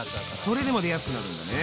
それでも出やすくなるんだね。